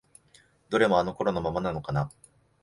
どれもあの頃のままなのかな？